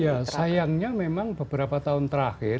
ya sayangnya memang beberapa tahun terakhir